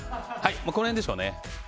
この辺でしょうね。